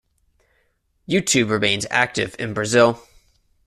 YouTube remains active in Brazil.